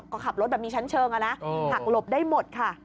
ก็ขับรถแบบมีชั้นเชิงอะนะหักหลบได้หมดค่ะ